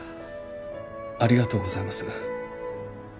ありがとうございます。